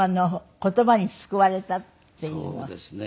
そうですね。